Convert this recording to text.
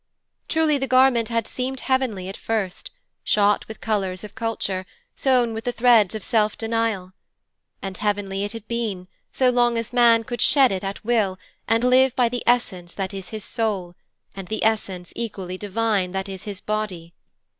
Truly the garment had seemed heavenly at first, shot with colours of culture, sewn with the threads of self denial. And heavenly it had been so long as man could shed it at will and live by the essence that is his soul, and the essence, equally divine, that is his body.